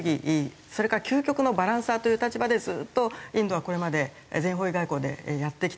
それから究極のバランサーという立場でずっとインドはこれまで全方位外交でやってきた。